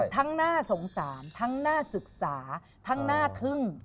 น่าสงสารทั้งน่าศึกษาทั้งหน้าทึ่ง